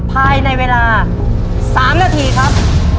ภายในเวลา๓นาทีครับ